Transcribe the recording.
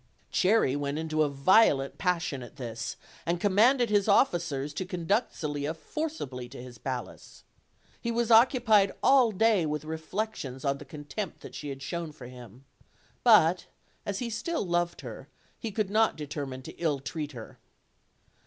Cherry went into a violent passion at this, and com manded his officers to conduct Zelia forcibly to his palace. He was occupied all day with reflections on the contempt that she had shown for him; but, as he still loved her, he could not determine to ill treat her.